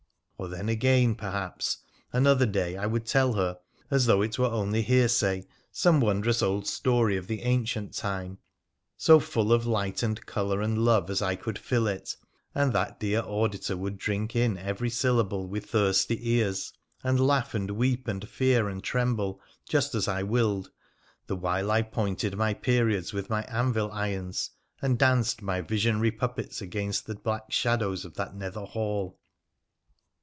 Or then again, perhaps, another day I would tell her, as though it were only hearsay, some wondrous old story cf the ancient time, so full of light and colour and love as I could fill it, and that dear auditor would drink in every syllable with thirsty ears, and laugh and weep and fear and tremble just as I willed, the while I pointed my periods with my anvil irons, and danced my visionary puppets against the black shadows of that nether hall.